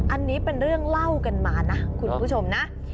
อันนี้เป็นเรื่องเล่ากันมานะคุณผู้ชมนะ